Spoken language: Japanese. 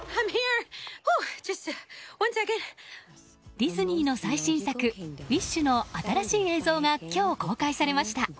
ディズニーの最新作「ウィッシュ」の新しい映像が今日、公開されました。